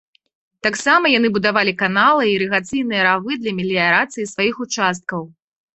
Таксама яны будавалі каналы і ірыгацыйныя равы для меліярацыі сваіх участкаў.